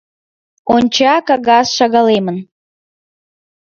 Онча, кагаз шагалемын.